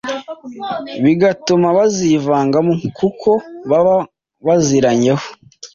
bigatuma bazivangamo kuko baba baziziranyeho